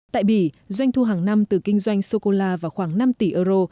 tại bỉ doanh thu hàng năm từ kinh doanh sô cô la vào khoảng năm tỷ euro